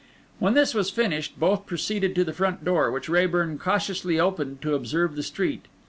When this was finished, both proceeded to the front door, which Raeburn cautiously opened to observe the street.